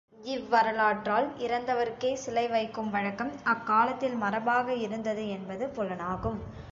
இவ்வரலாற்றால், இறந்தவர்க்கே சிலை வைக்கும் வழக்கம் அக்காலத்தில் மரபாக இருந்தது என்பது புலனாகும்.